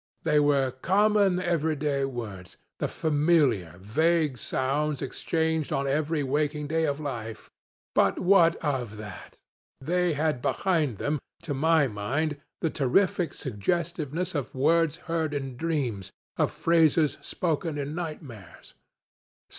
They were common everyday words, the familiar, vague sounds exchanged on every waking day of life. But what of that? They had behind them, to my mind, the terrific suggestiveness of words heard in dreams, of phrases spoken in nightmares.